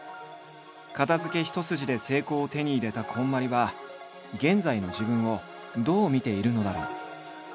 片づけ一筋で成功を手に入れたこんまりは現在の自分をどう見ているのだろう？